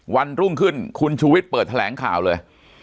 วันรุ่งขึ้นคุณชูวิทย์เปิดแถลงข่าวเลย